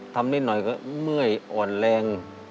นิดหน่อยก็เมื่อยอ่อนแรง